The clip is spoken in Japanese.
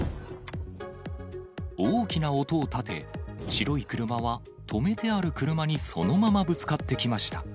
大きな音をたて、白い車は、止めてある車にそのままぶつかってきました。